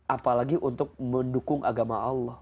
apalagi untuk mendukung agama allah